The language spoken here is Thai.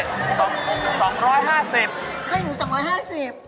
เท่าอย่างนี้๒๕๐